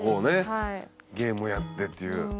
ゲームをやってっていう。